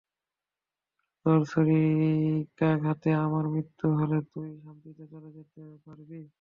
তোর ছুরিকাঘাতে আমার মৃত্যু হলে, তুই শান্তিতে চলে যেতে পারবি।